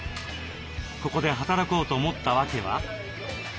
ここで働こうと思った訳は？